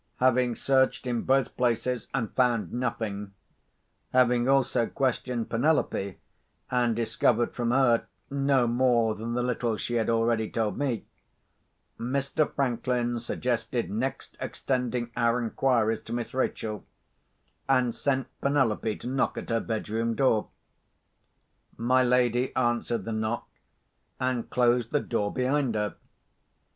Having searched in both places, and found nothing—having also questioned Penelope, and discovered from her no more than the little she had already told me—Mr. Franklin suggested next extending our inquiries to Miss Rachel, and sent Penelope to knock at her bedroom door. My lady answered the knock, and closed the door behind her.